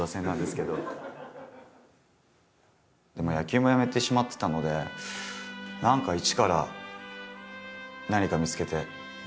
野球もやめてしまってたので何か一から何か見つけて。